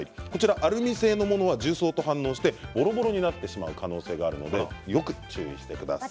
アルミ製のものは重曹と反応してぼろぼろになってしまう可能性があるのでよく注意してください。